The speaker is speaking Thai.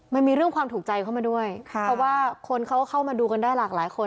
มันมีเรื่องความถูกใจเข้ามาด้วยเพราะว่าคนเขาก็เข้ามาดูกันได้หลากหลายคน